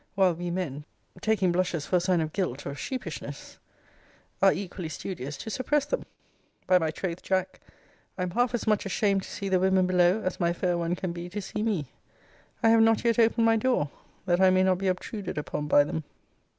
While we men, taking blushes for a sign of guilt or sheepishness, are equally studious to suppress them. By my troth, Jack, I am half as much ashamed to see the women below, as my fair one can be to see me. I have not yet opened my door, that I may not be obtruded upon my them.